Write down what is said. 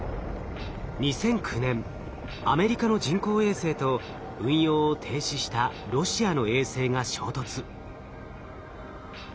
２００９年アメリカの人工衛星と運用を停止したロシアの衛星が衝突。